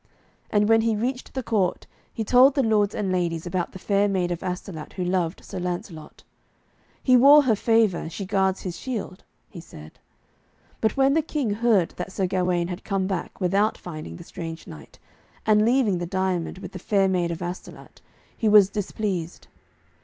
And when he reached the court he told the lords and ladies about the fair maid of Astolat who loved Sir Lancelot. 'He wore her favour, and she guards his shield,' he said. But when the King heard that Sir Gawaine had come back, without finding the strange knight, and leaving the diamond with the fair maid of Astolat, he was displeased.